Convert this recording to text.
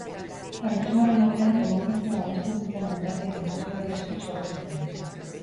Frankismoaren aurrean demokrazia babesten zuten alderdien akordioari esker sortu zen.